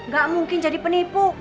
gak mungkin jadi penipu